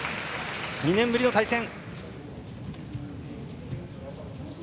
２年ぶりの対戦。